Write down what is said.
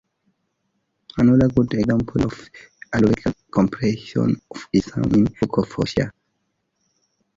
Another good example of this allegorical comparison is found in the Book of Hosea.